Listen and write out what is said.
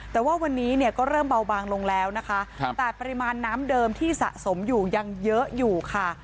แต่ว่าวันนี้เนี่ยก็เริ่มเบาบางลงแล้วนะคะแต่ปริมาณน้ำเดิมที่สะสมอยู่ยังเยอะอยู่ค่ะ